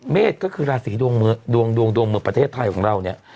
เมษก็คือราศีดวงดวงดวงเมืองประเทศไทยของเราเนี่ย